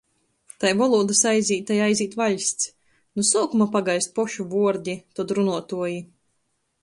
Tai volūdys aizīt, tai aizīt vaļsts. Nu suokuma pagaist pošu vuordi, tod runuotuoji.